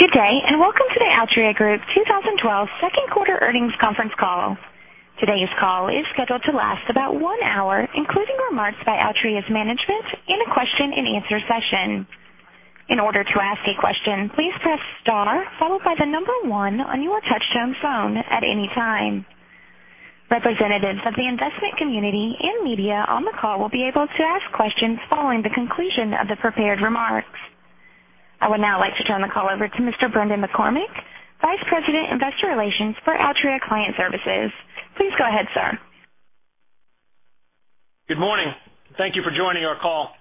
Good day, and welcome to the Altria Group 2012 second quarter earnings conference call. Today's call is scheduled to last about one hour, including remarks by Altria's management and a question and answer session. In order to ask a question, please press star followed by the number one on your touch-tone phone at any time. Representatives of the investment community and media on the call will be able to ask questions following the conclusion of the prepared remarks. I would now like to turn the call over to Mr. Brendan McCormick, Vice President, Investor Relations for Altria Client Services. Please go ahead, sir. Good morning. Thank you for joining our call.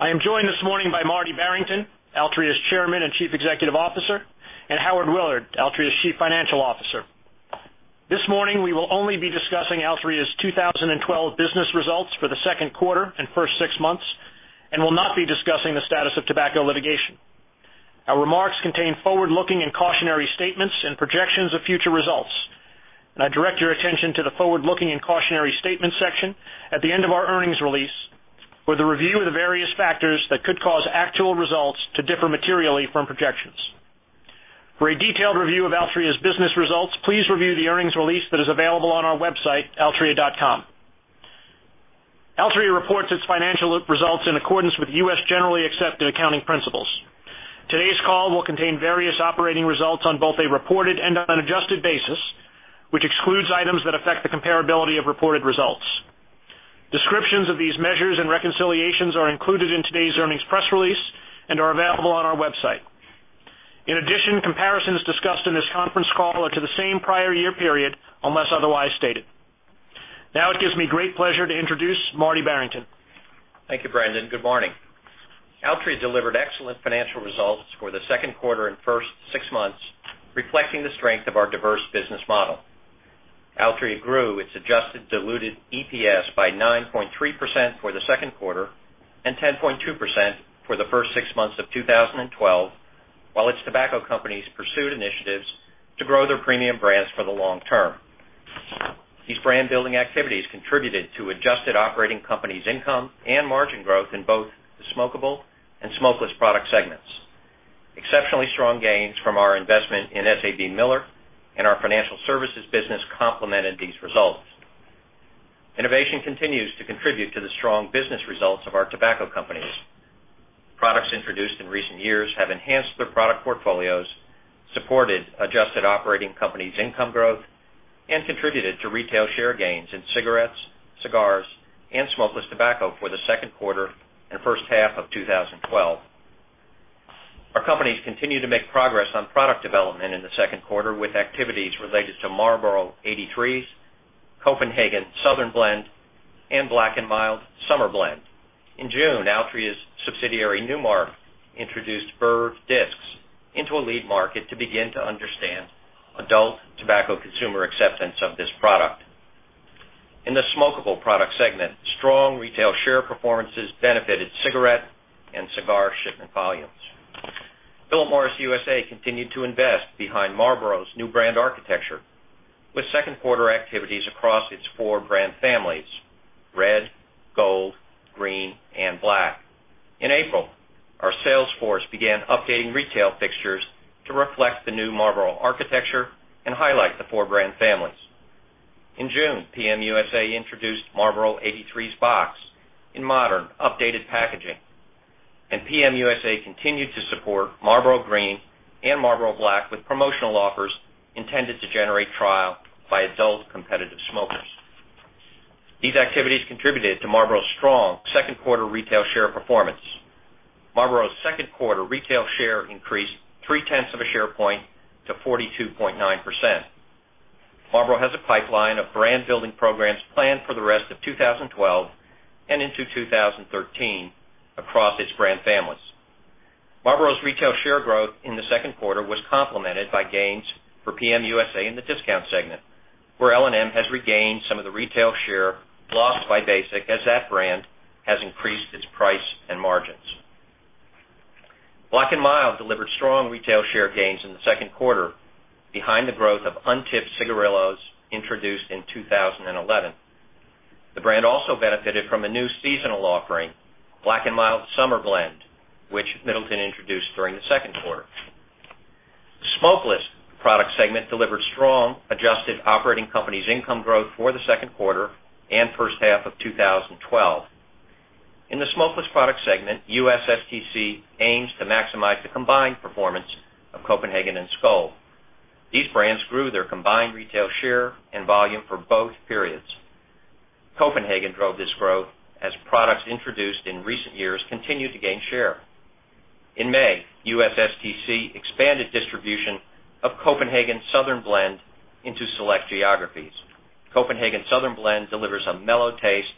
I am joined this morning by Marty Barrington, Altria's Chairman and Chief Executive Officer, and Howard Willard, Altria's Chief Financial Officer. This morning, we will only be discussing Altria's 2012 business results for the second quarter and first six months, and will not be discussing the status of tobacco litigation. Our remarks contain forward-looking and cautionary statements and projections of future results, and I direct your attention to the forward-looking and cautionary statements section at the end of our earnings release with a review of the various factors that could cause actual results to differ materially from projections. For a detailed review of Altria's business results, please review the earnings release that is available on our website, altria.com. Altria reports its financial results in accordance with U.S. generally accepted accounting principles. Today's call will contain various operating results on both a reported and on an adjusted basis, which excludes items that affect the comparability of reported results. Descriptions of these measures and reconciliations are included in today's earnings press release and are available on our website. In addition, comparisons discussed in this conference call are to the same prior year period, unless otherwise stated. Now it gives me great pleasure to introduce Marty Barrington. Thank you, Brendan. Good morning. Altria delivered excellent financial results for the second quarter and first six months, reflecting the strength of our diverse business model. Altria grew its adjusted diluted EPS by 9.3% for the second quarter and 10.2% for the first six months of 2012, while its tobacco companies pursued initiatives to grow their premium brands for the long term. These brand-building activities contributed to adjusted Operating Companies' Income and margin growth in both the smokable and smokeless product segments. Exceptionally strong gains from our investment in SABMiller and our financial services business complemented these results. Innovation continues to contribute to the strong business results of our tobacco companies. Products introduced in recent years have enhanced their product portfolios, supported adjusted Operating Companies' Income growth, and contributed to retail share gains in cigarettes, cigars, and smokeless tobacco for the second quarter and first half of 2012. Our companies continued to make progress on product development in the second quarter with activities related to Marlboro 83s, Copenhagen Southern Blend, and Black & Mild Summer Blend. In June, Altria's subsidiary Nu Mark introduced Verve discs into a lead market to begin to understand adult tobacco consumer acceptance of this product. In the smokable product segment, strong retail share performances benefited cigarette and cigar shipment volumes. Philip Morris USA continued to invest behind Marlboro's new brand architecture with second quarter activities across its four brand families: Red, Gold, Green, and Black. In April, our sales force began updating retail fixtures to reflect the new Marlboro architecture and highlight the four brand families. In June, PM USA introduced Marlboro 83s box in modern, updated packaging, and PM USA continued to support Marlboro Green and Marlboro Black with promotional offers intended to generate trial by adult competitive smokers. These activities contributed to Marlboro's strong second-quarter retail share performance. Marlboro's second-quarter retail share increased three-tenths of a share point to 42.9%. Marlboro has a pipeline of brand-building programs planned for the rest of 2012 and into 2013 across its brand families. Marlboro's retail share growth in the second quarter was complemented by gains for PM USA in the discount segment, where L&M has regained some of the retail share lost by Basic as that brand has increased its price and margins. Black & Mild delivered strong retail share gains in the second quarter behind the growth of untipped cigarillos introduced in 2011. The brand also benefited from a new seasonal offering, Black & Mild Summer Blend, which Middleton introduced during the second quarter. The smokeless product segment delivered strong adjusted operating companies' income growth for the second quarter and first half of 2012. In the smokeless product segment, USSTC aims to maximize the combined performance of Copenhagen and Skoal. These brands grew their combined retail share and volume for both periods. Copenhagen drove this growth as products introduced in recent years continued to gain share. In May, USSTC expanded distribution of Copenhagen Southern Blend into select geographies. Copenhagen Southern Blend delivers a mellow taste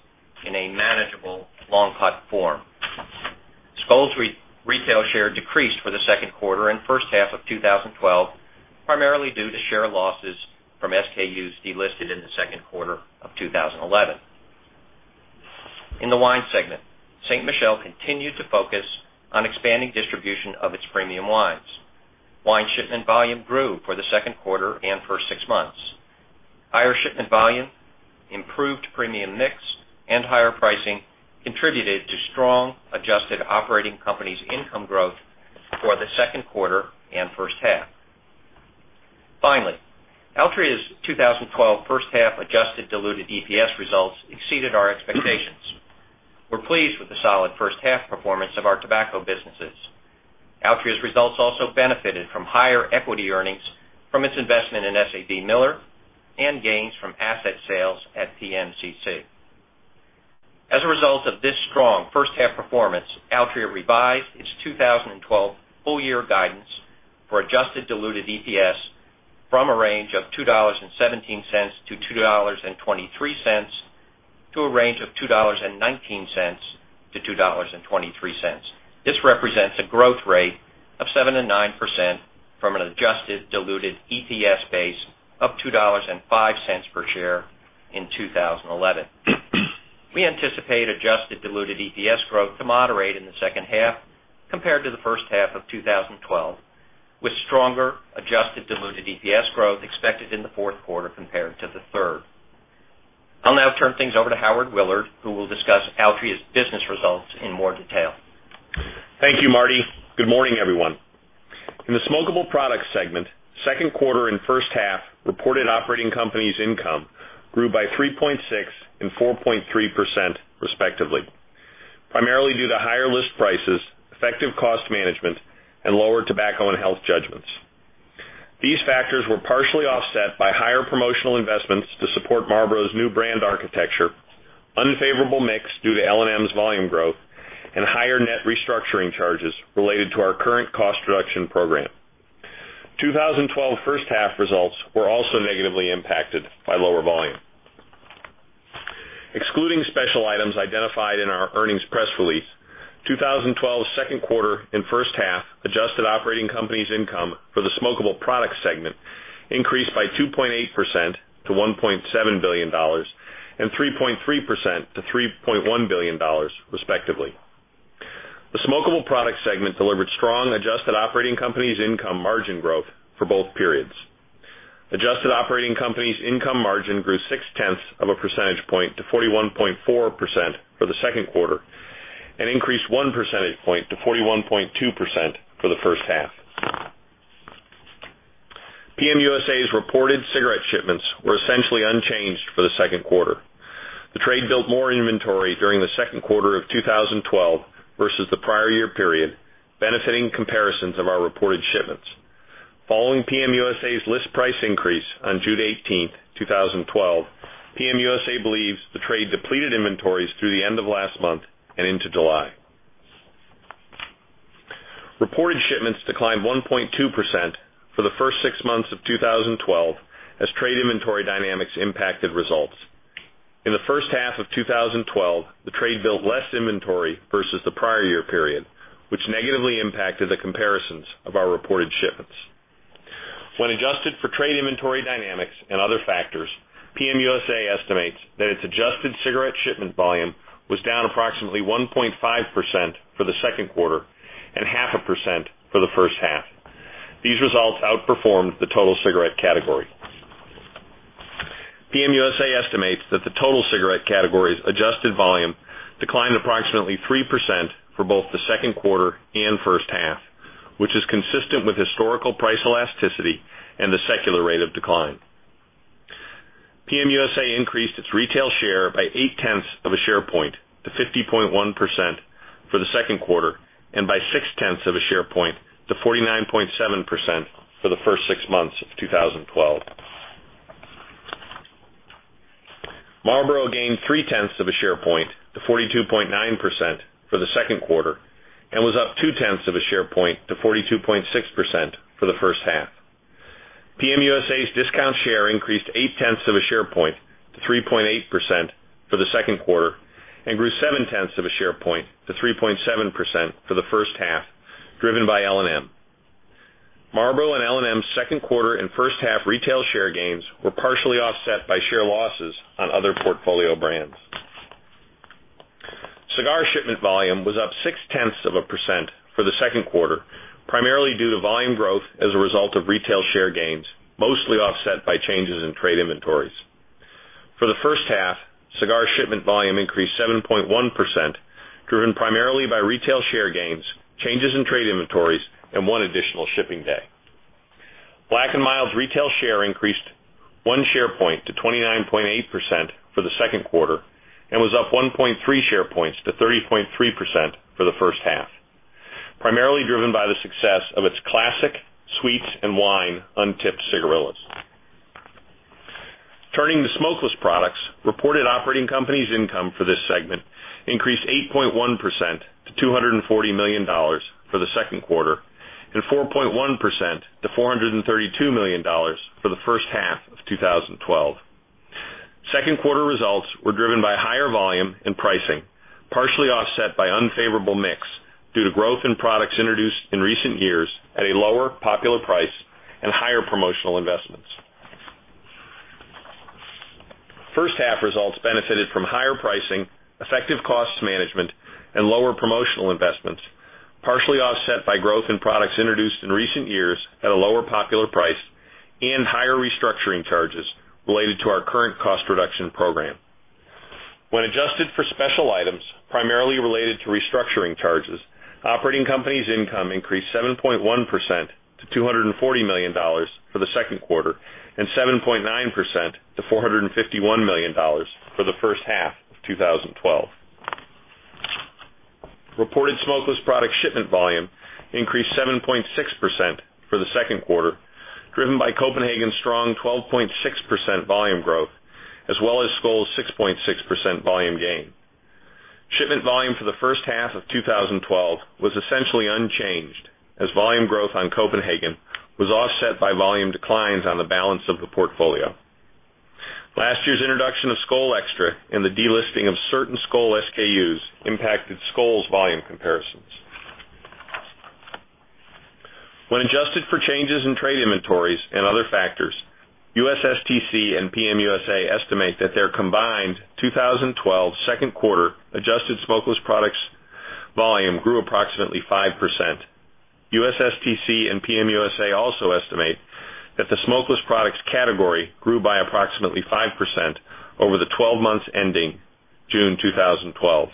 in a manageable long cut form. Skoal's retail share decreased for the second quarter and first half of 2012, primarily due to share losses from SKUs delisted in the second quarter of 2011. In the wine segment, Ste. Michelle continued to focus on expanding distribution of its premium wines. Wine shipment volume grew for the second quarter and first six months. Higher shipment volume, improved premium mix, and higher pricing contributed to strong adjusted operating companies' income growth for the second quarter and first half. Altria's 2012 first-half adjusted diluted EPS results exceeded our expectations. We're pleased with the solid first-half performance of our tobacco businesses. Altria's results also benefited from higher equity earnings from its investment in SABMiller and gains from asset sales at PMCC. As a result of this strong first-half performance, Altria revised its 2012 full-year guidance for adjusted diluted EPS from a range of $2.17-$2.23 to a range of $2.19-$2.23. This represents a growth rate of 7%-9% from an adjusted diluted EPS base of $2.05 per share in 2011. We anticipate adjusted diluted EPS growth to moderate in the second half compared to the first half of 2012, with stronger adjusted diluted EPS growth expected in the fourth quarter compared to the third. I'll now turn things over to Howard Willard, who will discuss Altria's business results in more detail. Thank you, Marty. Good morning, everyone. In the smokable products segment, second quarter and first-half reported operating companies' income grew by 3.6% and 4.3%, respectively, primarily due to higher list prices, effective cost management, and lower tobacco and health judgments. These factors were partially offset by higher promotional investments to support Marlboro's new brand architecture, unfavorable mix due to L&M's volume growth, and higher net restructuring charges related to our current cost reduction program. 2012 first-half results were also negatively impacted by lower volume. Excluding special items identified in our earnings press release, 2012's second quarter and first half adjusted operating companies' income for the smokable products segment increased by 2.8% to $1.7 billion and 3.3% to $3.1 billion, respectively. The smokable products segment delivered strong adjusted operating companies' income margin growth for both periods. Adjusted operating companies' income margin grew six-tenths of a percentage point to 41.4% for the second quarter and increased one percentage point to 41.2% for the first half. PM USA's reported cigarette shipments were essentially unchanged for the second quarter. The trade built more inventory during the second quarter of 2012 versus the prior year period, benefiting comparisons of our reported shipments. Following PM USA's list price increase on June 18th, 2012, PM USA believes the trade depleted inventories through the end of last month and into July. Reported shipments declined 1.2% for the first six months of 2012 as trade inventory dynamics impacted results. In the first half of 2012, the trade built less inventory versus the prior year period, which negatively impacted the comparisons of our reported shipments. When adjusted for trade inventory dynamics and other factors, PM USA estimates that its adjusted cigarette shipment volume was down approximately 1.5% for the second quarter and half a percent for the first half. These results outperformed the total cigarette category. PM USA estimates that the total cigarette category's adjusted volume declined approximately 3% for both the second quarter and first half, which is consistent with historical price elasticity and the secular rate of decline. PM USA increased its retail share by eight-tenths of a share point to 50.1% for the second quarter and by six-tenths of a share point to 49.7% for the first six months of 2012. Marlboro gained three-tenths of a share point to 42.9% for the second quarter and was up two-tenths of a share point to 42.6% for the first half. PM USA's discount share increased eight-tenths of a share point to 3.8% for the second quarter and grew seven-tenths of a share point to 3.7% for the first half, driven by L&M. Marlboro and L&M's second quarter and first-half retail share gains were partially offset by share losses on other portfolio brands. Cigar shipment volume was up six-tenths of a percent for the second quarter, primarily due to volume growth as a result of retail share gains, mostly offset by changes in trade inventories. For the first half, cigar shipment volume increased 7.1%, driven primarily by retail share gains, changes in trade inventories, and one additional shipping day. Black & Mild's retail share increased one share point to 29.8% for the second quarter and was up 1.3 share points to 30.3% for the first half, primarily driven by the success of its Classic Sweets and Wine untipped cigarillos. Turning to smokeless products, reported operating companies' income for this segment increased 8.1% to $240 million for the second quarter and 4.1% to $432 million for the first half of 2012. Second quarter results were driven by higher volume and pricing, partially offset by unfavorable mix due to growth in products introduced in recent years at a lower popular price and higher promotional investments. First half results benefited from higher pricing, effective cost management, and lower promotional investments, partially offset by growth in products introduced in recent years at a lower popular price and higher restructuring charges related to our current cost reduction program. When adjusted for special items, primarily related to restructuring charges, operating company's income increased 7.1% to $240 million for the second quarter and 7.9% to $451 million for the first half of 2012. Reported smokeless product shipment volume increased 7.6% for the second quarter, driven by Copenhagen's strong 12.6% volume growth as well as Skoal's 6.6% volume gain. Shipment volume for the first half of 2012 was essentially unchanged as volume growth on Copenhagen was offset by volume declines on the balance of the portfolio. Last year's introduction of Skoal Xtra and the delisting of certain Skoal SKUs impacted Skoal's volume comparisons. When adjusted for changes in trade inventories and other factors, USSTC and PM USA estimate that their combined 2012 second quarter adjusted smokeless products volume grew approximately 5%. USSTC and PM USA also estimate that the smokeless products category grew by approximately 5% over the 12 months ending June 2012.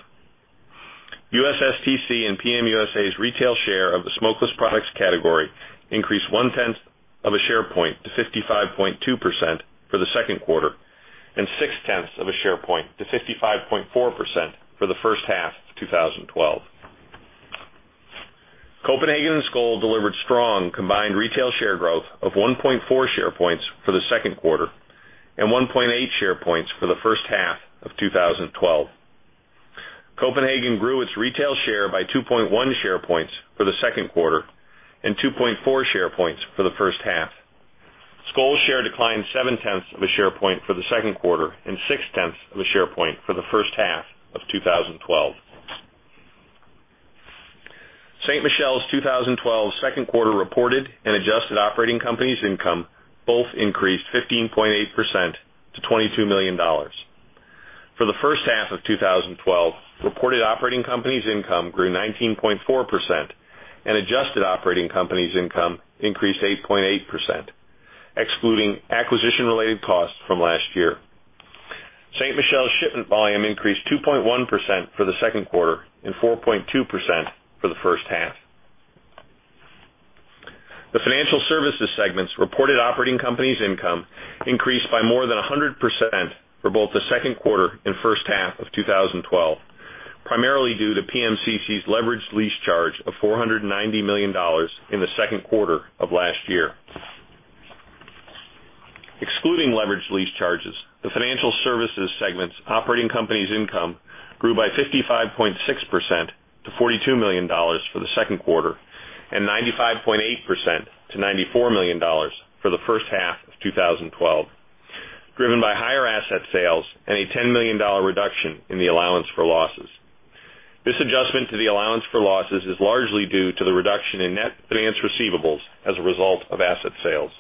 USSTC and PM USA's retail share of the smokeless products category increased one-tenth of a share point to 55.2% for the second quarter and six-tenths of a share point to 55.4% for the first half of 2012. Copenhagen and Skoal delivered strong combined retail share growth of 1.4 share points for the second quarter and 1.8 share points for the first half of 2012. Copenhagen grew its retail share by 2.1 share points for the second quarter and 2.4 share points for the first half. Skoal's share declined seven-tenths of a share point for the second quarter and six-tenths of a share point for the first half of 2012. Ste. Michelle's 2012 second quarter reported and adjusted operating company's income both increased 15.8% to $22 million. For the first half of 2012, reported operating company's income grew 19.4% and adjusted operating company's income increased 8.8%, excluding acquisition-related costs from last year. Ste. Michelle's shipment volume increased 2.1% for the second quarter and 4.2% for the first half. The financial services segment's reported operating company's income increased by more than 100% for both the second quarter and first half of 2012, primarily due to PMCC's leveraged lease charge of $490 million in the second quarter of last year. Excluding leveraged lease charges, the financial services segment's operating company's income grew by 55.6% to $42 million for the second quarter and 95.8% to $94 million for the first half of 2012, driven by higher asset sales and a $10 million reduction in the allowance for losses. This adjustment to the allowance for losses is largely due to the reduction in net finance receivables as a result of asset sales.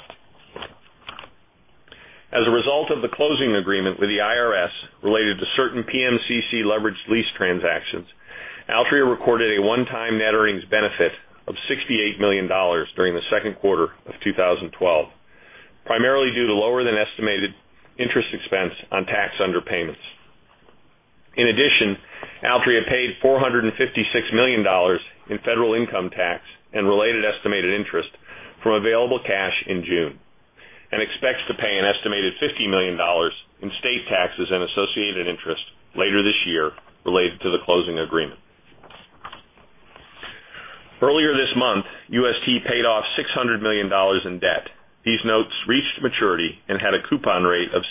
As a result of the closing agreement with the IRS related to certain PMCC leveraged lease transactions, Altria recorded a one-time net earnings benefit of $68 million during the second quarter of 2012, primarily due to lower-than-estimated interest expense on tax underpayments. In addition, Altria paid $456 million in federal income tax and related estimated interest from available cash in June and expects to pay an estimated $50 million in state taxes and associated interest later this year related to the closing agreement. Earlier this month, UST paid off $600 million in debt. These notes reached maturity and had a coupon rate of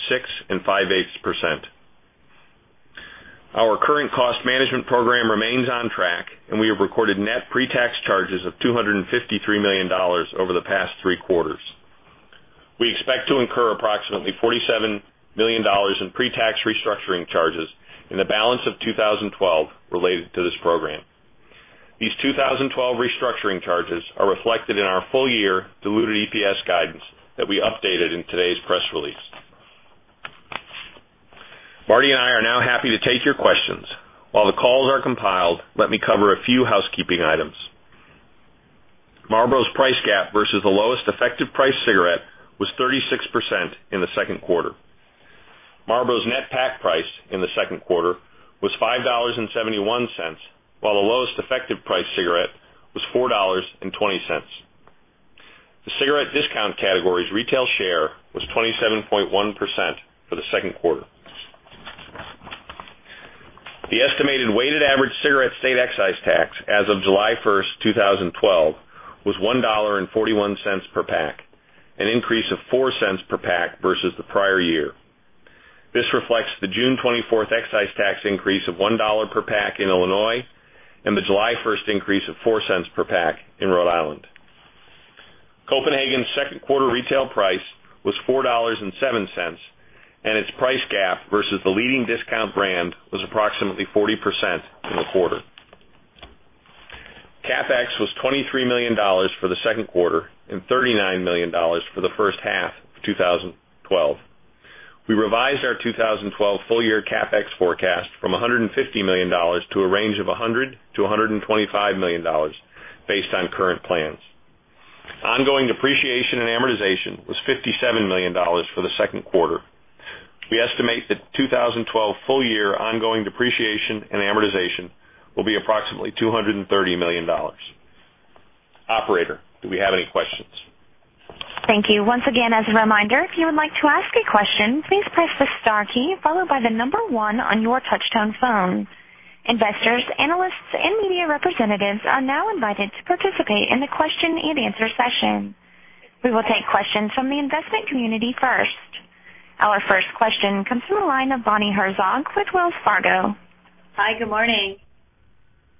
6.625%. Our current cost management program remains on track, and we have recorded net pre-tax charges of $253 million over the past three quarters. We expect to incur approximately $47 million in pre-tax restructuring charges in the balance of 2012 related to this program. These 2012 restructuring charges are reflected in our full-year diluted EPS guidance that we updated in today's press release. Marty and I are now happy to take your questions. While the calls are compiled, let me cover a few housekeeping items. Marlboro's price gap versus the lowest effective price cigarette was 36% in the second quarter. Marlboro's net pack price in the second quarter was $5.71, while the lowest effective price cigarette was $4.20. The cigarette discount category's retail share was 27.1% for the second quarter. The estimated weighted average cigarette state excise tax as of July 1st, 2012, was $1.41 per pack, an increase of $0.04 per pack versus the prior year. This reflects the June 24th excise tax increase of $1 per pack in Illinois and the July 1st increase of $0.04 per pack in Rhode Island. Copenhagen's second quarter retail price was $4.07, and its price gap versus the leading discount brand was approximately 40% in the quarter. CapEx was $23 million for the second quarter and $39 million for the first half of 2012. We revised our 2012 full-year CapEx forecast from $150 million to a range of $100 million-$125 million based on current plans. Ongoing depreciation and amortization was $57 million for the second quarter. We estimate that 2012 full-year ongoing depreciation and amortization will be approximately $230 million. Operator, do we have any questions? Thank you. Once again, as a reminder, if you would like to ask a question, please press the star key followed by the number one on your touch-tone phone. Investors, analysts, and media representatives are now invited to participate in the question and answer session. We will take questions from the investment community first. Our first question comes from the line of Bonnie Herzog with Wells Fargo. Hi, good morning.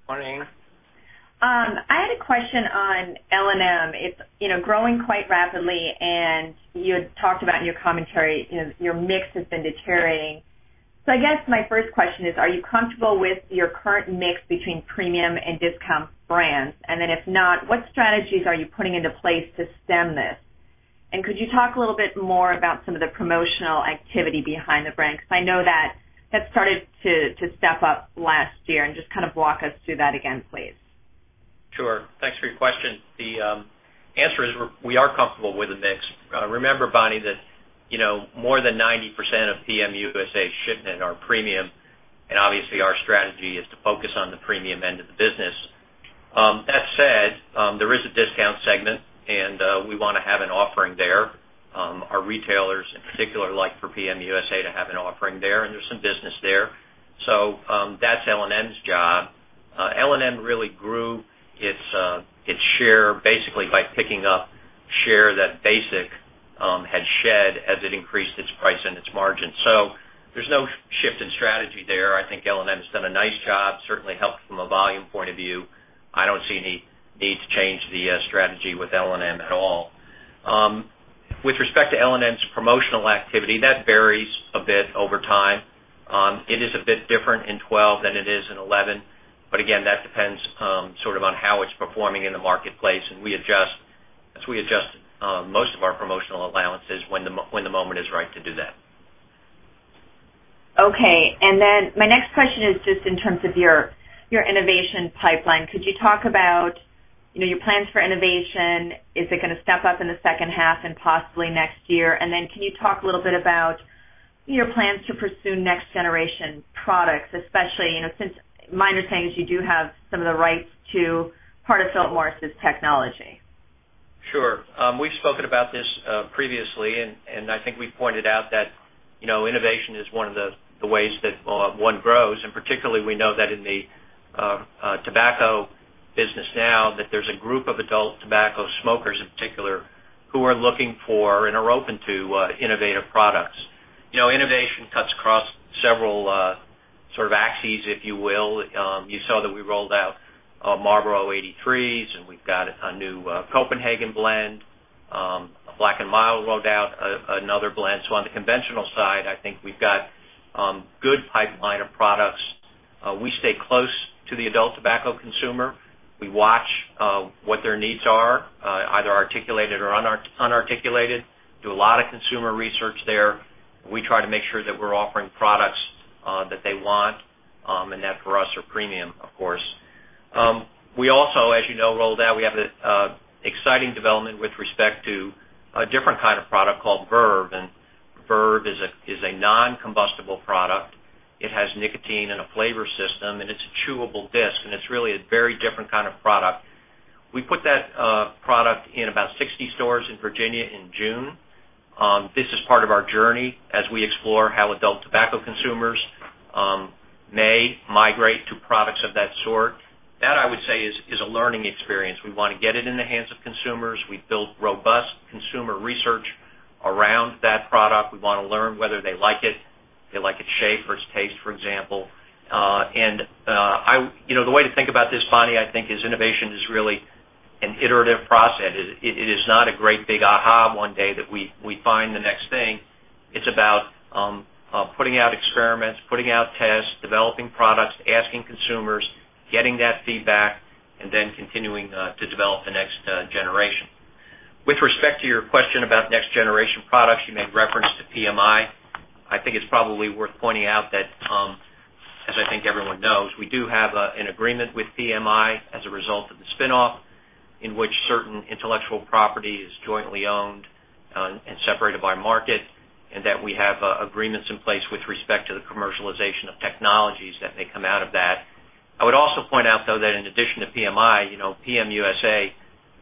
Morning. I had a question on L&M. It's growing quite rapidly, and you had talked about in your commentary, your mix has been deteriorating. I guess my first question is, are you comfortable with your current mix between premium and discount brands? If not, what strategies are you putting into place to stem this? Could you talk a little bit more about some of the promotional activity behind the brand? I know that that started to step up last year, and just kind of walk us through that again, please. Sure. Thanks for your question. The answer is we are comfortable with the mix. Remember, Bonnie, that more than 90% of PM USA shipment are premium. Obviously, our strategy is to focus on the premium end of the business. That said, there is a discount segment. We want to have an offering there. Our retailers in particular like for PM USA to have an offering there. There's some business there. That's L&M's job. L&M really grew its share basically by picking up share that Basic had shed as it increased its price and its margin. There's no shift in strategy there. I think L&M has done a nice job, certainly helped from a volume point of view. I don't see any need to change the strategy with L&M at all. With respect to L&M's promotional activity, that varies a bit over time. It is a bit different in 2012 than it is in 2011. Again, that depends sort of on how it's performing in the marketplace. We adjust most of our promotional allowances when the moment is right to do that. Okay, then my next question is just in terms of your innovation pipeline. Could you talk about your plans for innovation? Is it going to step up in the second half and possibly next year? Can you talk a little bit about your plans to pursue next generation products, especially since minor things, you do have some of the rights to part of Philip Morris's technology. Sure. We've spoken about this previously, I think we pointed out that innovation is one of the ways that one grows, particularly we know that in the tobacco business now that there's a group of adult tobacco smokers in particular who are looking for and are open to innovative products. Innovation cuts across several sort of axes, if you will. You saw that we rolled out Marlboro 83s, we've got a new Copenhagen blend. Black & Mild rolled out another blend. On the conventional side, I think we've got good pipeline of products. We stay close to the adult tobacco consumer. We watch what their needs are, either articulated or unarticulated, do a lot of consumer research there. We try to make sure that we're offering products that they want, and that for us are premium, of course. We also, as you know, we have an exciting development with respect to a different kind of product called Verve is a non-combustible product. It has nicotine and a flavor system, it's a chewable disc, it's really a very different kind of product. We put that product in about 60 stores in Virginia in June. This is part of our journey as we explore how adult tobacco consumers may migrate to products of that sort. That, I would say, is a learning experience. We want to get it in the hands of consumers. We've built robust consumer research around that product. We want to learn whether they like it, they like its shape or its taste, for example. The way to think about this, Bonnie, I think, is innovation is really an iterative process. It is not a great big aha one day that we find the next thing. It's about putting out experiments, putting out tests, developing products, asking consumers, getting that feedback, continuing to develop the next generation. With respect to your question about next generation products, you made reference to PMI. I think it's probably worth pointing out that, as I think everyone knows, we do have an agreement with PMI as a result of the spinoff, in which certain intellectual property is jointly owned and separated by market, that we have agreements in place with respect to the commercialization of technologies that may come out of that. I would also point out, though, that in addition to PMI, PM USA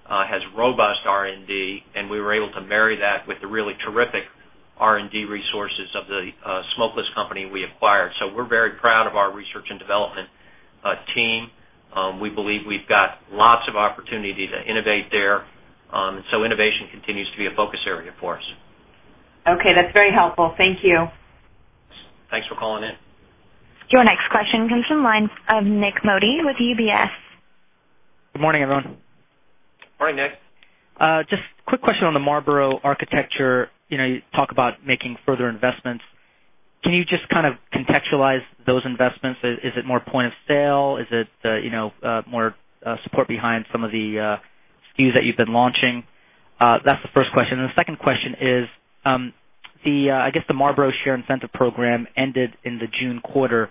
has robust R&D, we were able to marry that with the really terrific R&D resources of the Smokeless Company we acquired. We're very proud of our research and development team. We believe we've got lots of opportunity to innovate there. Innovation continues to be a focus area for us. Okay. That's very helpful. Thank you. Thanks for calling in. Your next question comes from the line of Nik Modi with UBS. Good morning, everyone. Morning, Nik. Just a quick question on the Marlboro architecture. You talk about making further investments. Can you just kind of contextualize those investments? Is it more point of sale? Is it more support behind some of the SKUs that you've been launching? That's the first question. The second question is, I guess the Marlboro Share Incentive program ended in the June quarter.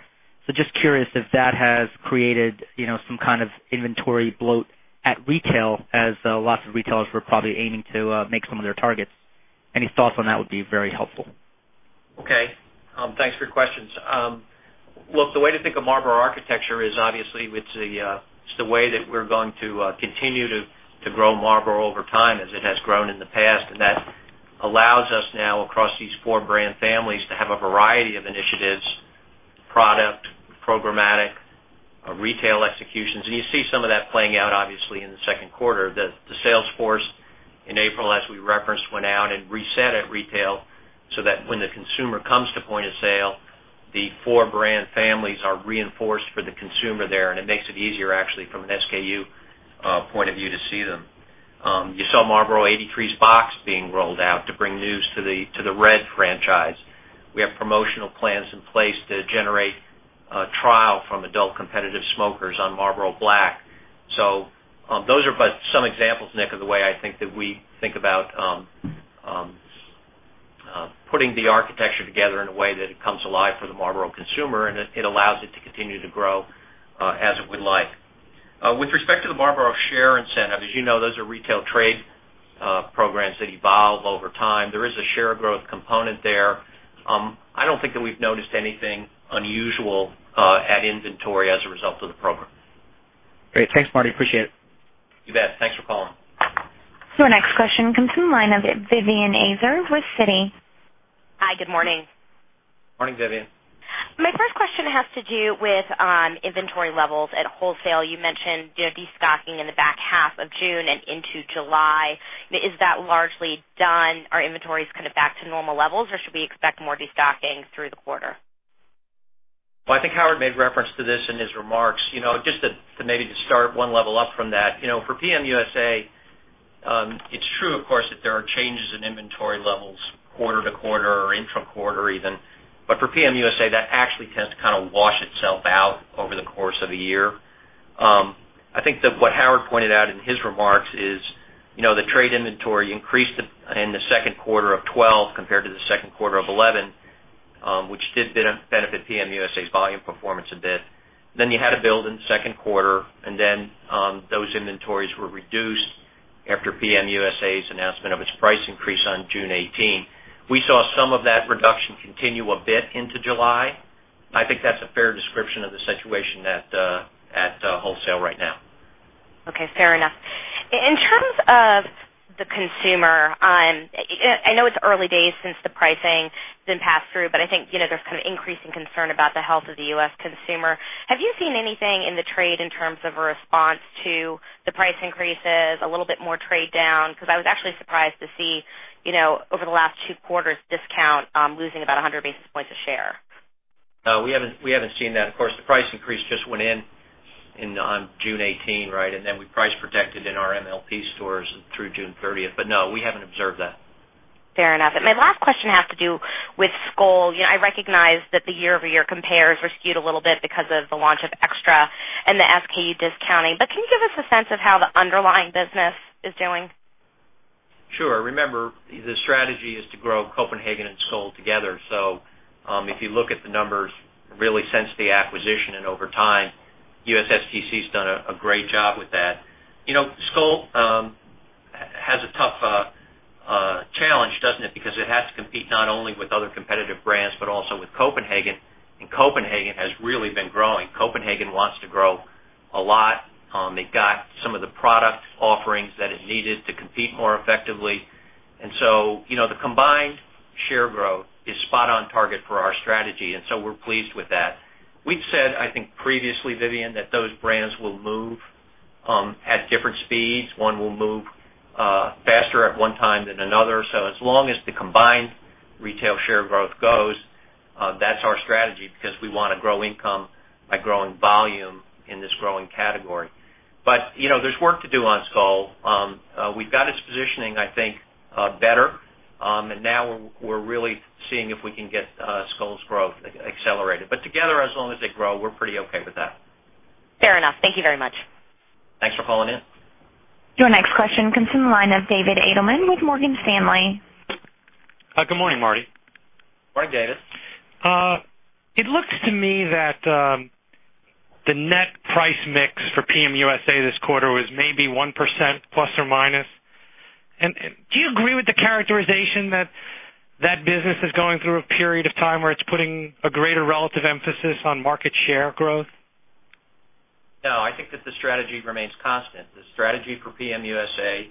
Just curious if that has created some kind of inventory bloat at retail as lots of retailers were probably aiming to make some of their targets. Any thoughts on that would be very helpful. Okay. Thanks for your questions. Look, the way to think of Marlboro architecture is obviously it's the way that we're going to continue to grow Marlboro over time as it has grown in the past. That allows us now across these four brand families to have a variety of initiatives, product, programmatic, retail executions. You see some of that playing out obviously in the second quarter. The sales force in April, as we referenced, went out and reset at retail so that when the consumer comes to point of sale, the four brand families are reinforced for the consumer there, and it makes it easier actually from an SKU point of view to see them. You saw Marlboro 83s's box being rolled out to bring news to the Red franchise. We have promotional plans in place to generate trial from adult competitive smokers on Marlboro Black. Those are but some examples, Nik, of the way I think that we think about putting the architecture together in a way that it comes alive for the Marlboro consumer, and it allows it to continue to grow as it would like. With respect to the Marlboro share incentive, as you know, those are retail trade programs that evolve over time. There is a share growth component there. I don't think that we've noticed anything unusual at inventory as a result of the program. Great. Thanks, Marty. Appreciate it. You bet. Thanks for calling. Your next question comes from the line of Vivien Azer with Citi. Hi. Good morning. Morning, Vivien. My first question has to do with inventory levels at wholesale. You mentioned de-stocking in the back half of June and into July. Is that largely done? Are inventories kind of back to normal levels, or should we expect more de-stocking through the quarter? Well, I think Howard made reference to this in his remarks. Just to maybe to start one level up from that. For PM USA, it's true, of course, that there are changes in inventory levels quarter to quarter or intra-quarter even. For PM USA, that actually tends to kind of wash itself out over the course of a year. I think that what Howard pointed out in his remarks is the trade inventory increased in the second quarter of 2012 compared to the second quarter of 2011, which did benefit PM USA's volume performance a bit. Then you had a build in the second quarter, and then those inventories were reduced after PM USA's announcement of its price increase on June 18. We saw some of that reduction continue a bit into July. I think that's a fair description of the situation at wholesale right now. Okay. Fair enough. In terms of the consumer, I know it's early days since the pricing didn't pass through, I think there's kind of increasing concern about the health of the U.S. consumer. Have you seen anything in the trade in terms of a response to the price increases, a little bit more trade down? I was actually surprised to see, over the last 2 quarters, discount losing about 100 basis points a share. No, we haven't seen that. Of course, the price increase just went in on June 18, right? We price protected in our MLP stores through June 30th. No, we haven't observed that. Fair enough. My last question has to do with Skoal. I recognize that the year-over-year compares were skewed a little bit because of the launch of Xtra and the SKU discounting. Can you give us a sense of how the underlying business is doing? Sure. Remember, the strategy is to grow Copenhagen and Skoal together. If you look at the numbers really since the acquisition and over time, USSTC has done a great job with that. Skoal has a tough challenge, doesn't it? It has to compete not only with other competitive brands but also with Copenhagen has really been growing. Copenhagen wants to grow a lot. They've got some of the product offerings that it needed to compete more effectively. The combined share growth is spot on target for our strategy, we're pleased with that. We'd said, I think previously, Vivien, that those brands will move at different speeds. One will move faster at one time than another. As long as the combined retail share growth goes, that's our strategy because we want to grow income by growing volume in this growing category. There's work to do on Skoal. We've got its positioning, I think, better. Now we're really seeing if we can get Skoal's growth accelerated. Together, as long as they grow, we're pretty okay with that. Fair enough. Thank you very much. Thanks for calling in. Your next question comes from the line of David Adelman with Morgan Stanley. Good morning, Marty. Morning, David. It looks to me that the net price mix for PM USA this quarter was maybe ±1%. Do you agree with the characterization that that business is going through a period of time where it's putting a greater relative emphasis on market share growth? No, I think that the strategy remains constant. The strategy for PM USA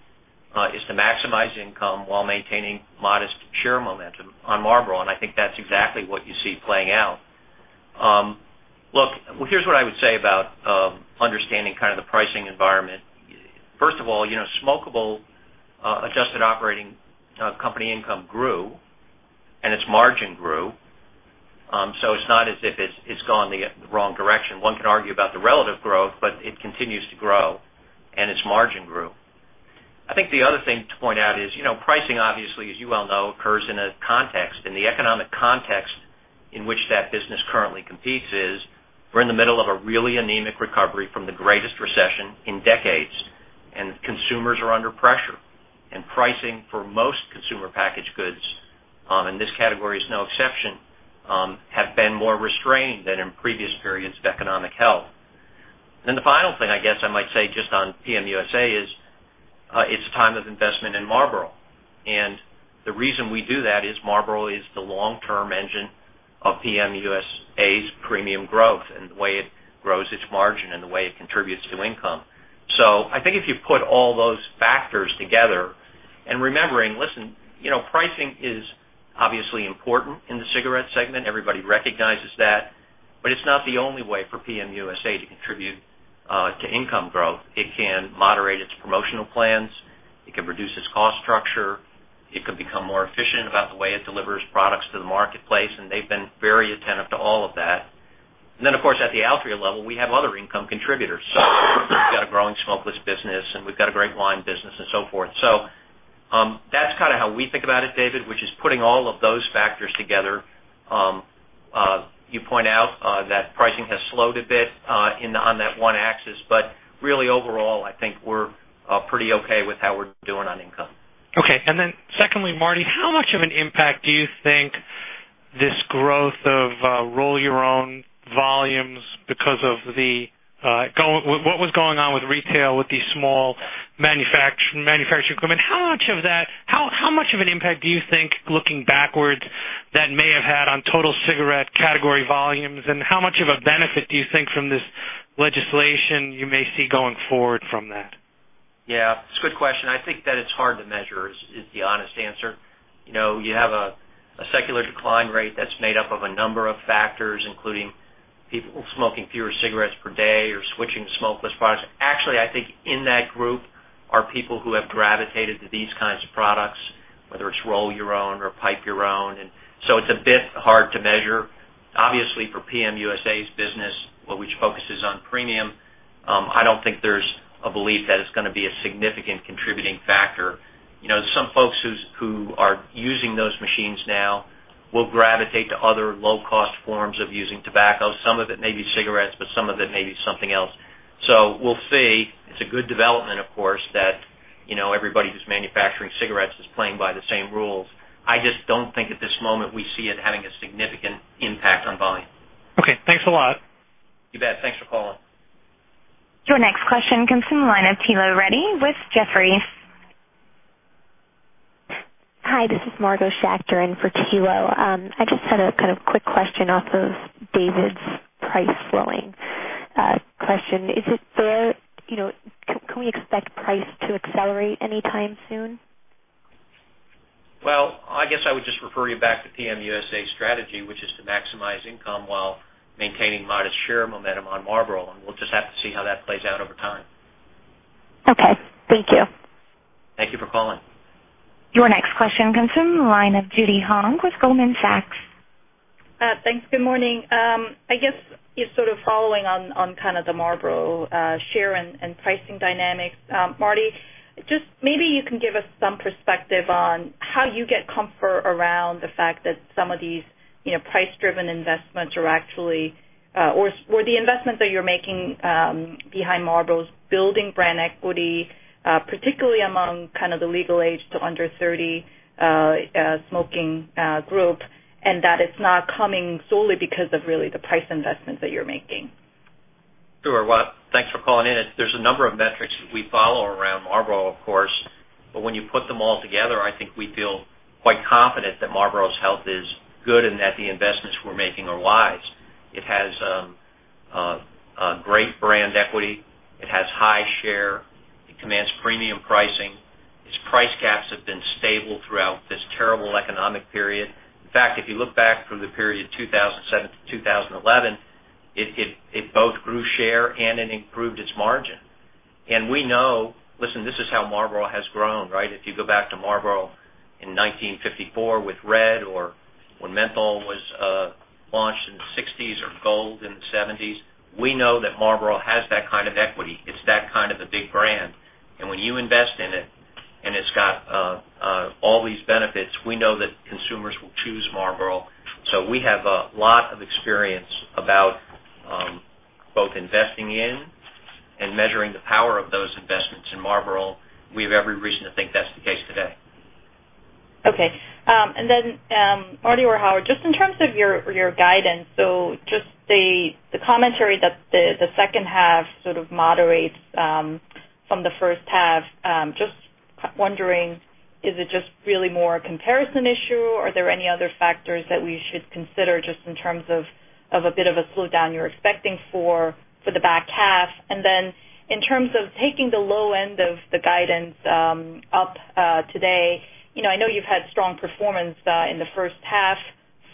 is to maximize income while maintaining modest share momentum on Marlboro, and I think that's exactly what you see playing out. Look, here's what I would say about understanding kind of the pricing environment. First of all, smokable adjusted operating company income grew, and its margin grew. So it's not as if it's gone the wrong direction. One can argue about the relative growth, but it continues to grow, and its margin grew. I think the other thing to point out is, pricing obviously, as you well know, occurs in a context. The economic context in which that business currently competes is we're in the middle of a really anemic recovery from the greatest recession in decades, and consumers are under pressure. Pricing for most consumer packaged goods, and this category is no exception, have been more restrained than in previous periods of economic health. The final thing, I guess I might say just on PM USA is, it's time of investment in Marlboro. The reason we do that is Marlboro is the long-term engine of PM USA's premium growth and the way it grows its margin and the way it contributes to income. I think if you put all those factors together and remembering, listen, pricing is obviously important in the cigarette segment. Everybody recognizes that. It's not the only way for PM USA to contribute to income growth. It can moderate its promotional plans. It can reduce its cost structure. It can become more efficient about the way it delivers products to the marketplace, and they've been very attentive to all of that. Of course, at the Altria level, we have other income contributors. We've got a growing smokeless business, and we've got a great wine business and so forth. That's kind of how we think about it, David, which is putting all of those factors together. You point out that pricing has slowed a bit on that one axis. Really overall, I think we're pretty okay with how we're doing on income. Secondly, Marty, how much of an impact do you think this growth of roll your own volumes because of what was going on with retail, with the small manufacturing equipment, how much of an impact do you think, looking backwards, that may have had on total cigarette category volumes? How much of a benefit do you think from this legislation you may see going forward from that? It's a good question. I think that it's hard to measure is the honest answer. You have a secular decline rate that's made up of a number of factors, including people smoking fewer cigarettes per day or switching to smokeless products. Actually, I think in that group are people who have gravitated to these kinds of products, whether it's roll your own or pipe your own, it's a bit hard to measure. Obviously, for PM USA's business, which focuses on premium, I don't think there's a belief that it's going to be a significant contributing factor. Some folks who are using those machines now will gravitate to other low-cost forms of using tobacco. Some of it may be cigarettes, but some of it may be something else. We'll see. It's a good development, of course, that everybody who's manufacturing cigarettes is playing by the same rules. I just don't think at this moment we see it having a significant impact on volume. Okay. Thanks a lot. You bet. Thanks for calling. Your next question comes from the line of Thilo Wrede with Jefferies. Hi, this is Margo Schachter in for Thilo. I just had a kind of quick question off of David's price slowing question. Can we expect price to accelerate anytime soon? Well, I guess I would just refer you back to PM USA's strategy, which is to maximize income while maintaining modest share momentum on Marlboro, and we'll just have to see how that plays out over time. Okay. Thank you. Thank you for calling. Your next question comes from the line of Judy Hong with Goldman Sachs. Thanks. Good morning. I guess just sort of following on kind of the Marlboro share and pricing dynamics. Marty, just maybe you can give us some perspective on how you get comfort around the fact that some of these price-driven investments or the investments that you're making behind Marlboro's building brand equity, particularly among kind of the legal age to under 30 smoking group, and that it's not coming solely because of really the price investments that you're making. Sure. Well, thanks for calling in. There's a number of metrics that we follow around Marlboro, of course. When you put them all together, I think we feel quite confident that Marlboro's health is good and that the investments we're making are wise. It has a great brand equity. It has high share. It commands premium pricing. Its price caps have been stable throughout this terrible economic period. In fact, if you look back from the period 2007 to 2011, it both grew share and it improved its margin. We know, listen, this is how Marlboro has grown, right? If you go back to Marlboro in 1954 with Red or when Menthol was launched in the '60s or Gold in the '70s. We know that Marlboro has that kind of equity. It's that kind of a big brand. When you invest in it and it's got all these benefits, we know that consumers will choose Marlboro. We have a lot of experience about both investing in and measuring the power of those investments in Marlboro. We have every reason to think that's the case today. Okay. Marty or Howard, just in terms of your guidance, just the commentary that the second half sort of moderates from the first half. Just wondering, is it just really more a comparison issue, or are there any other factors that we should consider just in terms of a bit of a slowdown you're expecting for the back half? In terms of taking the low end of the guidance up today, I know you've had strong performance in the first half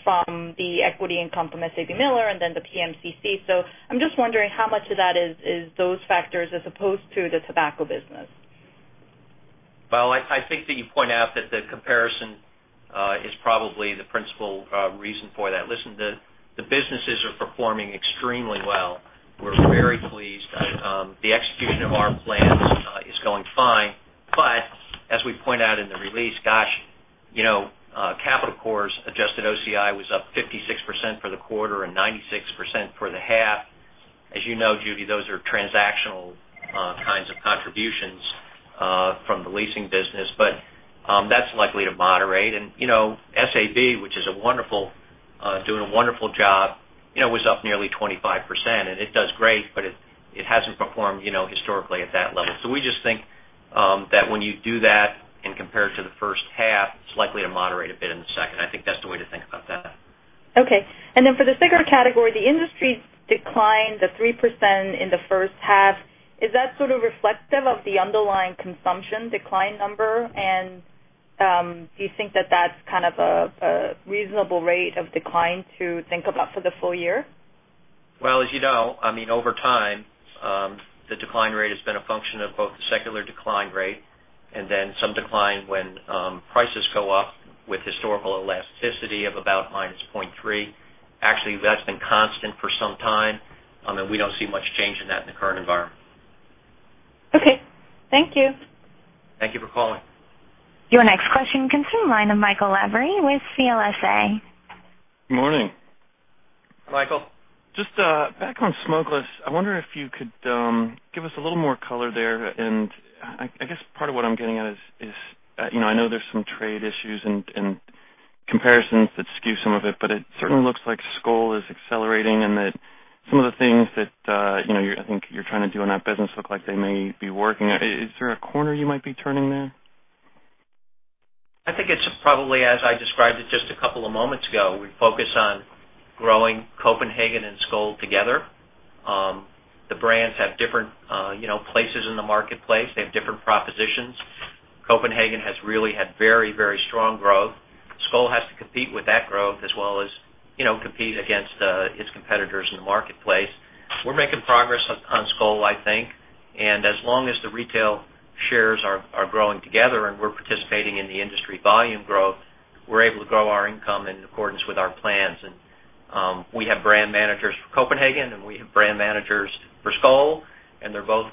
from the equity income from SABMiller and the PMCC. I'm just wondering how much of that is those factors as opposed to the tobacco business? Well, I think that you point out that the comparison is probably the principal reason for that. Listen, the businesses are performing extremely well. We're very pleased. The execution of our plans is going fine. As we point out in the release, gosh, Capital Corp.'s adjusted OCI was up 56% for the quarter and 96% for the half. As you know, Judy, those are transactional kinds of contributions from the leasing business. That's likely to moderate. SAB, which is doing a wonderful job, was up nearly 25%. It does great, but it hasn't performed historically at that level. We just think that when you do that and compare it to the first half, it's likely to moderate a bit in the second. I think that's the way to think about that. Okay. For the cigar category, the industry declined 3% in the first half. Is that sort of reflective of the underlying consumption decline number? Do you think that that's kind of a reasonable rate of decline to think about for the full year? Well, as you know, over time, the decline rate has been a function of both the secular decline rate and then some decline when prices go up with historical elasticity of about -0.3. Actually, that's been constant for some time, and we don't see much change in that in the current environment. Okay. Thank you. Thank you for calling. Your next question comes from the line of Michael Lavery with CLSA. Good morning. Michael. I wonder if you could give us a little more color there. I guess part of what I'm getting at is, I know there's some trade issues and comparisons that skew some of it, but it certainly looks like Skoal is accelerating and that some of the things that I think you're trying to do in that business look like they may be working. Is there a corner you might be turning there? I think it's probably as I described it just a couple of moments ago. We focus on growing Copenhagen and Skoal together. The brands have different places in the marketplace. They have different propositions. Copenhagen has really had very strong growth. Skoal has to compete with that growth as well as compete against its competitors in the marketplace. We're making progress on Skoal, I think. As long as the retail shares are growing together and we're participating in the industry volume growth, we're able to grow our income in accordance with our plans. We have brand managers for Copenhagen, and we have brand managers for Skoal, and they're both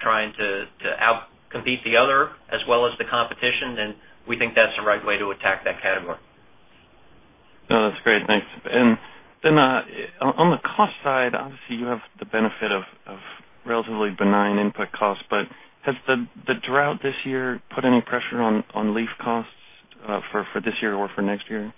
trying to out-compete the other as well as the competition, and we think that's the right way to attack that category. No, that's great. Thanks. Then on the cost side, obviously you have the benefit of relatively benign input costs, but has the drought this year put any pressure on leaf costs for this year or for next year?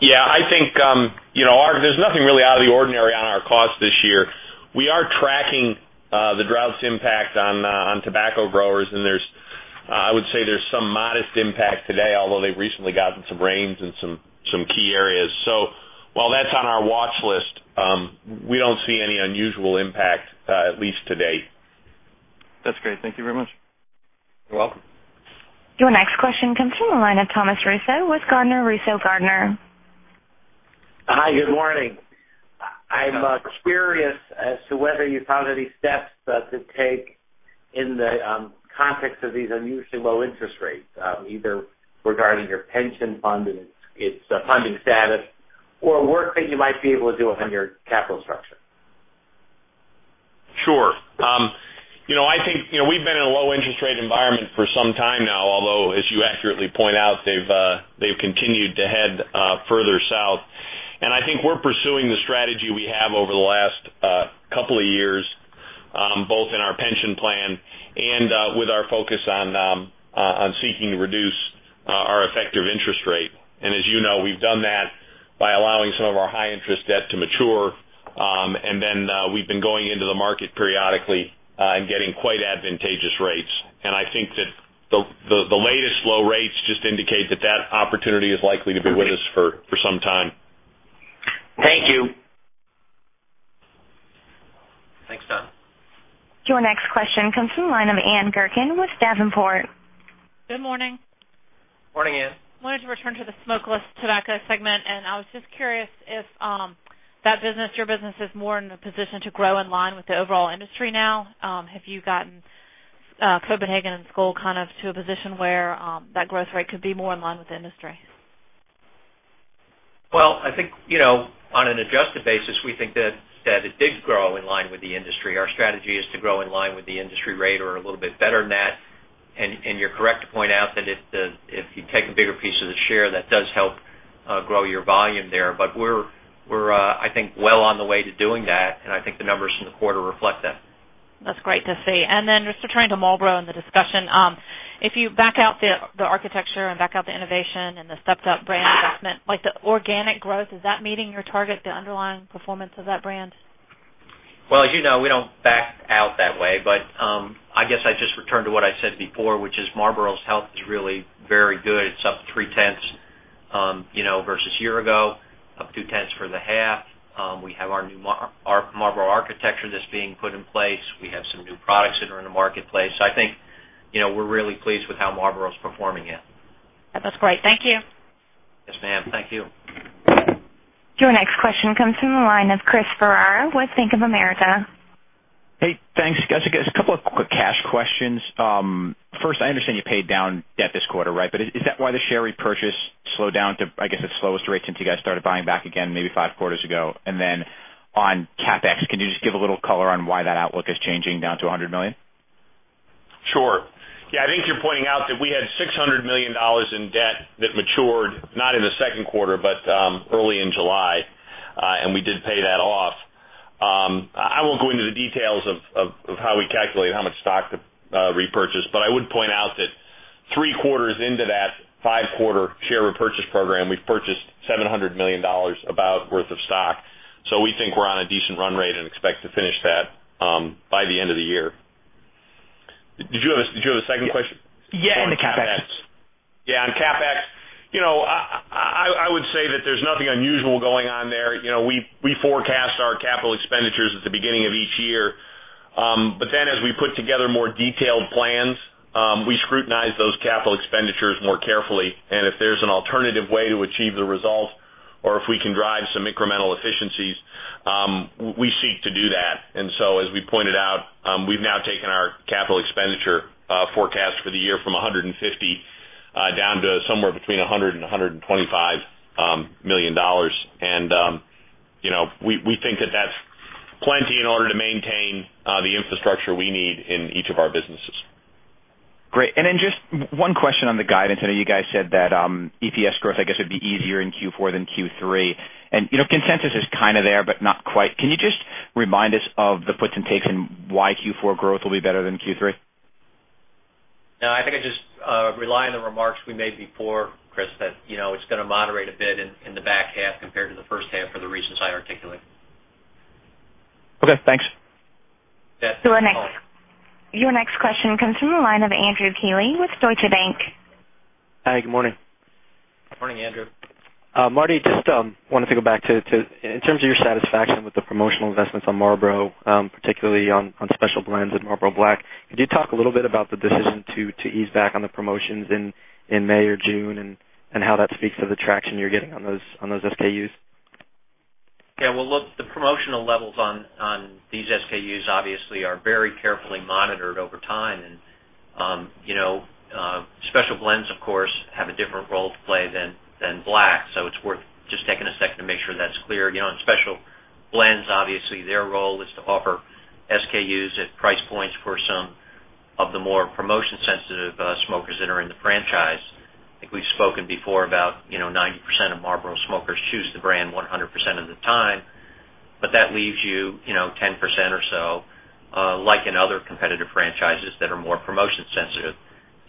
Yeah, I think there's nothing really out of the ordinary on our costs this year. We are tracking the drought's impact on tobacco growers, and I would say there's some modest impact today, although they've recently gotten some rains in some key areas. While that's on our watch list, we don't see any unusual impact, at least to date. That's great. Thank you very much. You're welcome. Your next question comes from the line of Thomas Russo with Gardner Russo & Gardner. Hi, good morning. I'm curious as to whether you found any steps to take in the context of these unusually low interest rates, either regarding your pension fund and its funding status or work that you might be able to do within your capital structure. Sure. I think we've been in a low-interest rate environment for some time now, although as you accurately point out, they've continued to head further south. I think we're pursuing the strategy we have over the last couple of years, both in our pension plan and with our focus on seeking to reduce our effective interest rate. As you know, we've done that by allowing some of our high-interest debt to mature, then we've been going into the market periodically and getting quite advantageous rates. I think that the latest low rates just indicate that opportunity is likely to be with us for some time. Thank you. Thanks, Tom. Your next question comes from the line of Ann Gurkin with Davenport. Good morning. Morning, Ann. I wanted to return to the smokeless tobacco segment. I was just curious if that business, your business, is more in a position to grow in line with the overall industry now. Have you gotten Copenhagen and Skoal kind of to a position where that growth rate could be more in line with the industry? Well, I think on an adjusted basis, we think that it did grow in line with the industry. Our strategy is to grow in line with the industry rate or a little bit better than that. You're correct to point out that if you take a bigger piece of the share, that does help grow your volume there. We're I think well on the way to doing that, and I think the numbers from the quarter reflect that. That's great to see. Just returning to Marlboro and the discussion. If you back out the architecture and back out the innovation and the stepped-up brand investment, like the organic growth, is that meeting your target, the underlying performance of that brand? Well, as you know, we don't back out that way, but I guess I'd just return to what I said before, which is Marlboro's health is really very good. It's up three tenths versus a year ago, up two tenths for the half. We have our new Marlboro architecture that's being put in place. We have some new products that are in the marketplace. I think we're really pleased with how Marlboro's performing, yeah. That's great. Thank you. Yes, ma'am. Thank you. Your next question comes from the line of Christopher Ferrara with Bank of America. Hey, thanks. I guess a couple of quick cash questions. First, I understand you paid down debt this quarter, right? Is that why the share repurchase slowed down to, I guess, the slowest rate since you guys started buying back again maybe five quarters ago? On CapEx, can you just give a little color on why that outlook is changing down to $100 million? Sure. Yeah, I think you're pointing out that we had $600 million in debt that matured, not in the second quarter, but early in July. We did pay that off. I won't go into the details of how we calculate how much stock to repurchase. I would point out that three quarters into that five-quarter share repurchase program, we've purchased $700 million about worth of stock. We think we're on a decent run rate and expect to finish that by the end of the year. Did you have a second question? Yeah, on the CapEx. Yeah, on CapEx. I would say that there's nothing unusual going on there. We forecast our capital expenditures at the beginning of each year. As we put together more detailed plans, we scrutinize those capital expenditures more carefully. If there's an alternative way to achieve the result or if we can drive some incremental efficiencies, we seek to do that. As we pointed out, we've now taken our capital expenditure forecast for the year from $150 down to somewhere between $100 million-$125 million. We think that that's plenty in order to maintain the infrastructure we need in each of our businesses. Great. Just one question on the guidance. I know you guys said that EPS growth, I guess, would be easier in Q4 than Q3. Consensus is kind of there, but not quite. Can you just remind us of the puts and takes in why Q4 growth will be better than Q3? No, I think I just rely on the remarks we made before, Chris, that it's going to moderate a bit in the back half compared to the first half for the reasons I articulated. Okay, thanks. Yeah. Your next question comes from the line of Andrew Keeley with Deutsche Bank. Hi, good morning. Morning, Andrew. Marty, just wanted to go back to, in terms of your satisfaction with the promotional investments on Marlboro, particularly on Marlboro Special Blends with Marlboro Black. Could you talk a little bit about the decision to ease back on the promotions in May or June and how that speaks to the traction you're getting on those SKUs? Well, the promotional levels on these SKUs obviously are very carefully monitored over time. Special Blends, of course, have a different role to play than Black. It's worth just taking a second to make sure that's clear. On Special Blends, obviously, their role is to offer SKUs at price points for some of the more promotion-sensitive smokers that are in the franchise. I think we've spoken before about 90% of Marlboro smokers choose the brand 100% of the time. That leaves you 10% or so, like in other competitive franchises that are more promotion sensitive.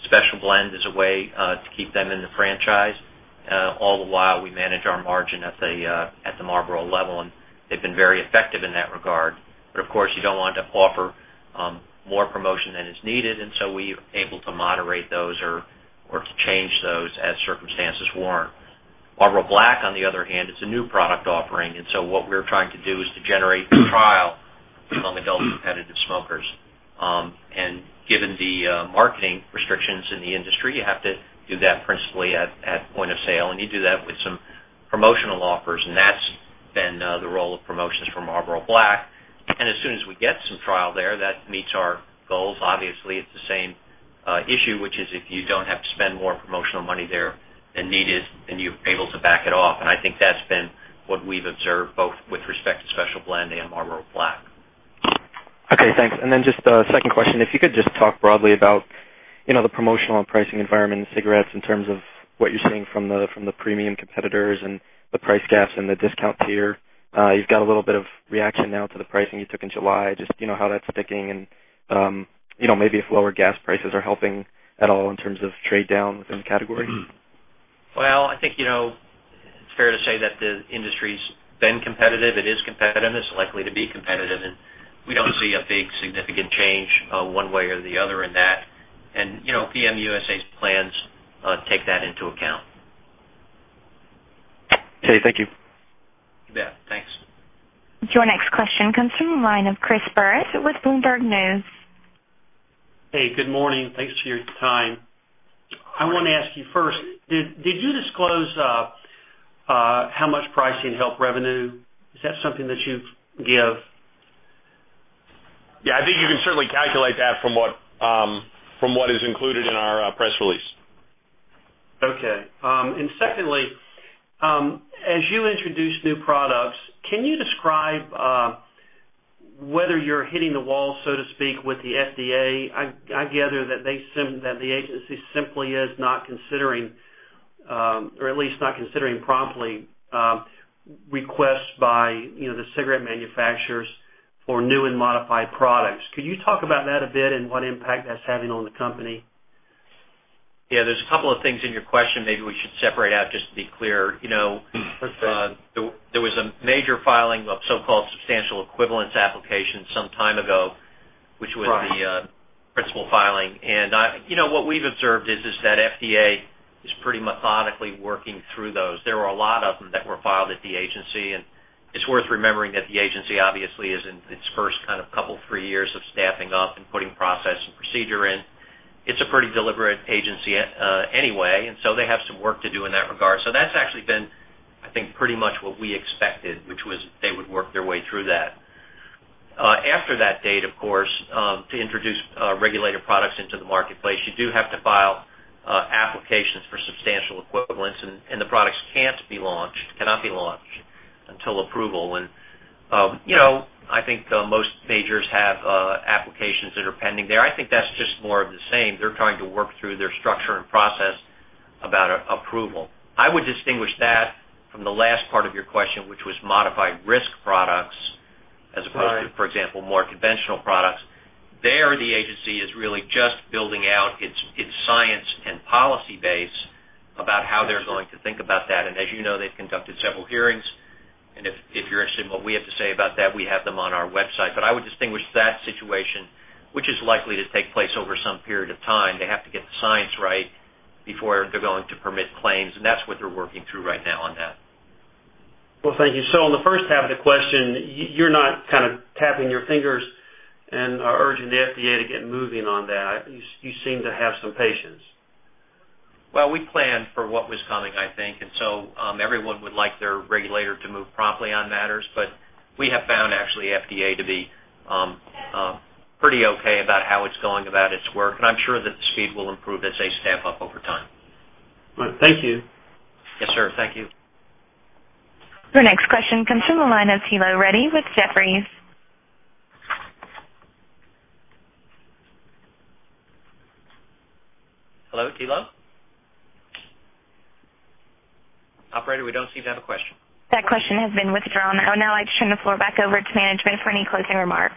Special Blend is a way to keep them in the franchise. All the while, we manage our margin at the Marlboro level, and they've been very effective in that regard. Of course, you don't want to offer more promotion than is needed, we are able to moderate those or to change those as circumstances warrant. Marlboro Black, on the other hand, is a new product offering, what we're trying to do is to generate trial among adult competitive smokers. Given the marketing restrictions in the industry, you have to do that principally at point of sale, and you do that with some promotional offers, and that's been the role of promotions for Marlboro Black. As soon as we get some trial there that meets our goals. Obviously, it's the same issue, which is if you don't have to spend more promotional money there than needed, then you're able to back it off. I think that's been what we've observed both with respect to Special Blend and Marlboro Black. Okay, thanks. Just a second question. If you could just talk broadly about the promotional and pricing environment in cigarettes in terms of what you're seeing from the premium competitors and the price gaps and the discount tier. You've got a little bit of reaction now to the pricing you took in July, just how that's sticking and maybe if lower gas prices are helping at all in terms of trade down within the category. Well, I think it's fair to say that the industry's been competitive. It is competitive, and it's likely to be competitive, and we don't see a big significant change one way or the other in that. PM USA's plans take that into account. Okay, thank you. You bet. Thanks. Your next question comes from the line of Chris Burritt with Bloomberg News. Hey, good morning. Thanks for your time. I want to ask you first, did you disclose how much pricing helped revenue? Is that something that you give? Yeah, I think you can certainly calculate that from what is included in our press release. Okay. Secondly, as you introduce new products, can you describe whether you're hitting the wall, so to speak, with the FDA? I gather that the agency simply is not considering, or at least not considering promptly, requests by the cigarette manufacturers for new and modified products. Could you talk about that a bit and what impact that's having on the company? Yeah, there's a couple of things in your question maybe we should separate out just to be clear. That's fair. There was a major filing of so-called substantial equivalence applications some time ago. Right Which was the principal filing. What we've observed is that FDA is pretty methodically working through those. There were a lot of them that were filed at the agency. It's worth remembering that the agency obviously is in its first couple, three years of staffing up and putting process and procedure in. It's a pretty deliberate agency anyway, they have some work to do in that regard. That's actually been, I think, pretty much what we expected, which was they would work their way through that. After that date, of course, to introduce regulated products into the marketplace, you do have to file applications for substantial equivalence, and the products cannot be launched until approval. I think most majors have applications that are pending there. I think that's just more of the same. They're trying to work through their structure and process about approval. I would distinguish that from the last part of your question, which was modified risk products as opposed to. Right For example, more conventional products. There, the agency is really just building out its science and policy base about how they're going to think about that. As you know, they've conducted several hearings, and if you're interested in what we have to say about that, we have them on our website. I would distinguish that situation, which is likely to take place over some period of time. They have to get the science right before they're going to permit claims, and that's what they're working through right now on that. Thank you. On the first half of the question, you're not kind of tapping your fingers and are urging the FDA to get moving on that. You seem to have some patience. We planned for what was coming, I think. Everyone would like their regulator to move promptly on matters. We have found actually FDA to be pretty okay about how it's going about its work, and I'm sure that the speed will improve as they staff up over time. Right. Thank you. Yes, sir. Thank you. Your next question comes from the line of Thilo Wrede with Jefferies. Hello, Thilo? Operator, we don't seem to have a question. That question has been withdrawn. I would now like to turn the floor back over to management for any closing remarks.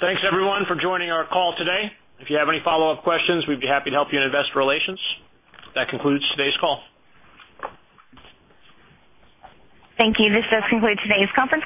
Thanks everyone for joining our call today. If you have any follow-up questions, we'd be happy to help you in investor relations. That concludes today's call. Thank you. This does conclude today's conference.